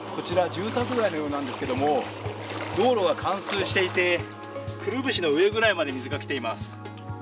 住宅街のようなんですけれども、道路が冠水していて、くるぶしの上くらいまで水が来ています。